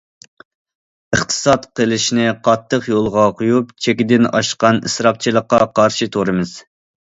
ئىقتىساد قىلىشنى قاتتىق يولغا قويۇپ، چېكىدىن ئاشقان ئىسراپچىلىققا قارىشى تۇرىمىز.